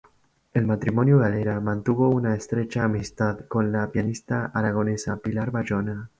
El matrimonio Galera mantuvo una estrecha amistad con la pianista aragonesa Pilar Bayona.